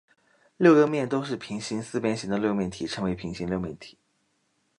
六个面都是平行四边形的六面体称为平行六面体。